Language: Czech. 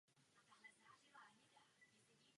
O to bychom se měli postarat.